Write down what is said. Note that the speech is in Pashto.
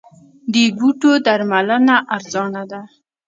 د بوټو درملنه ارزانه ده؟